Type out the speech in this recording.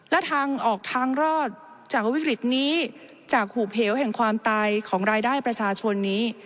และทางออกทางรอดจากวิกฤตนี้จากหูบเหวแห่งความตายของรายได้ประชาชนนี้